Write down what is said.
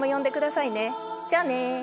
じゃあね。